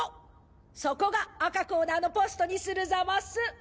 そこが赤コーナーのポストにするざます！